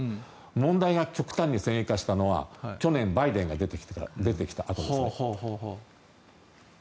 問題が極端に先鋭化したのは去年、バイデンが出てきてからですね。